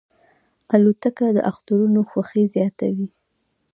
الوتکه د اخترونو خوښي زیاتوي.